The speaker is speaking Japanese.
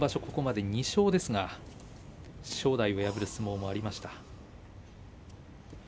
ここまで２勝ですが正代を破る相撲もありました。